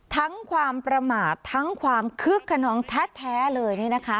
ทั้งความประมาททั้งความคึกขนองแท้เลย